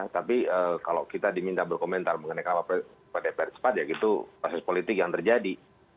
tapi kalau kita diminta berkomentar mengenai kenapa dpr cepat ya itu proses politik yang terjadi